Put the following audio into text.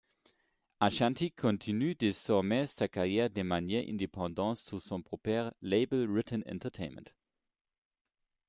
Ashanti continue désormais sa carrière de manière indépendante sous son propre Label Written Entertainment.